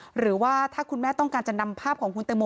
หรือว่าถ้าคุณแม่ต้องการจะนำภาพของคุณตังโม